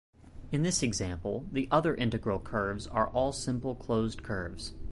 In this example, the other integral curves are all simple closed curves.